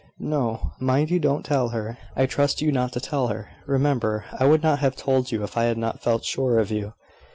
"No. Mind you don't tell her. I trust you not to tell her. Remember, I would not have told you if I had not felt sure of you."